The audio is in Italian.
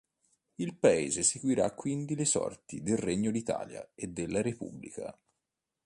Il paese seguirà quindi le sorti del Regno d'Italia e della Repubblica.